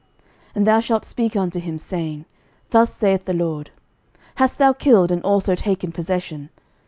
11:021:019 And thou shalt speak unto him, saying, Thus saith the LORD, Hast thou killed, and also taken possession?